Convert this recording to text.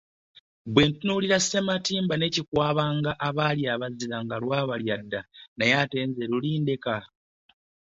Bwentunulira Ssematimba ne Kikwabanga abaali abazira nga lwabalyadda naye ate nze lulindeka.